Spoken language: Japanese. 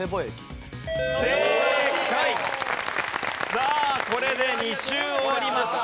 さあこれで２周終わりました。